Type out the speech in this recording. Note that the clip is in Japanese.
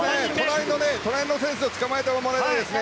隣の選手をつかまえてもらいたい。